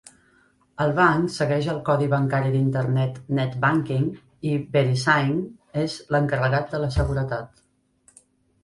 El banc segueix el codi bancari d'internet NetBanking i Verisign és l'encarregat de la seguretat.